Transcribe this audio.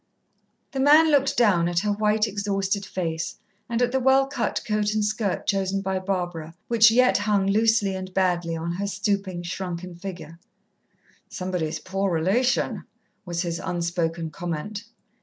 The man looked down at her white, exhausted face, and at the well cut coat and skirt chosen by Barbara, which yet hung loosely and badly on her stooping, shrunken figure. "Somebody's poor relation," was his unspoken comment.